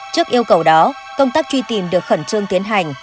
trước yêu cầu đó công tác truy tìm được khẩn trương tiến hành